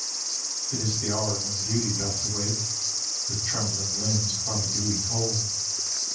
It is the hour when Beauty doth awake With trembhng limbs upon the dewy cold.